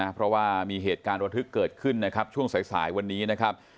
เพราะว่ามีเหตุการณ์ระทึกเกิดขึ้นนะครับช่วงสายวันนี้นะครับ